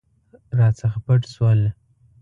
راڅخه پټ شول.